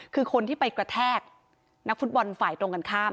คือคนที่ไปกระแทกนักฟุตบอลฝ่ายตรงกันข้าม